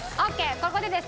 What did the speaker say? ここでですね